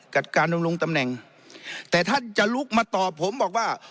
กับการดำรงตำแหน่งแต่ท่านจะลุกมาตอบผมบอกว่า